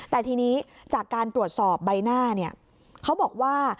แต่ทีนี้จากการตรวจสอบใบหน้าเนี่ยเขาบอกว่า